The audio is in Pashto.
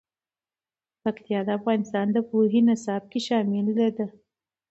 پکتیا د افغانستان د پوهنې نصاب کې شامل دي.